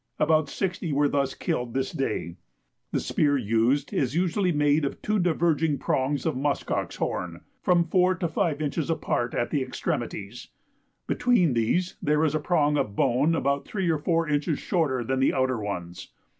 About sixty were thus killed this day. The spear used is usually made of two diverging pieces of musk ox horn, from 4 to 5 inches apart at the extremities; between these there is a prong of bone about 3 or 4 inches shorter than the outer ones.